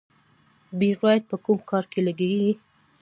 بیرایت په کوم کار کې لګیږي؟